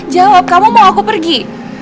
jawab kamu mau aku pergi